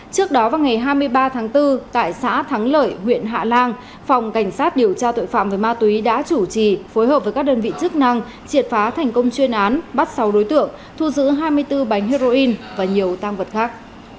trước đó vào ngày hai mươi ba tháng bốn tại xã thắng lợi huyện hạ lan phòng cảnh sát điều tra tội phạm về ma túy đã chủ trì phối hợp với các đơn vị chức năng triệt phá thành công chuyên án bắt sáu đối tượng thu giữ hai mươi bốn bánh heroin và nhiều tăng vật khác